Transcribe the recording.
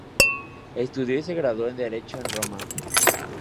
Estudio y se graduó en Derecho en Roma.